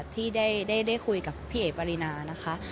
ที่ได้คุยกับพี่เอ๋ปรินานะคะ